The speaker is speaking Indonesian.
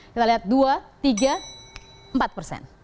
kita lihat dua tiga empat persen